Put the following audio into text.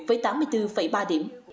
với tám mươi bốn ba điểm